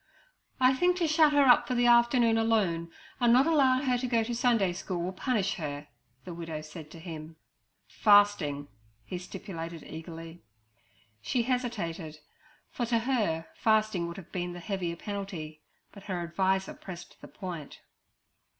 'I think to shut her up for the afternoon alone, and not allow her to go to Sunday school, will punish her' the widow said to him. 'Fasting' stipulated he eagerly. She hesitated, for to her fasting would have been the heavier penalty; but her adviser pressed the point.